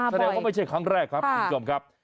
แสดงว่าไม่ใช่ครั้งแรกครับคุณผู้ชมครับ